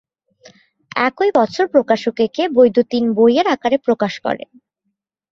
একই বছর প্রকাশক একে বৈদ্যুতিন বইয়ের আকারে প্রকাশ করেন।